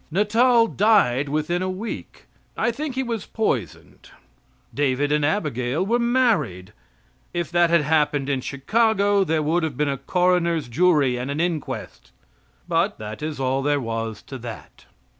Natal died within a week. I think he was poisoned. David and Abigail were married. If that had happened in Chicago there would have been a coroner's jury, and an inquest; but that is all there was to that.